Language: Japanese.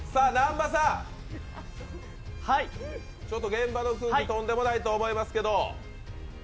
現場の空気、とんでもないと思いますけど。